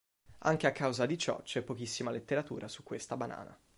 Anche a causa di ciò c'è pochissima letteratura su questa banana.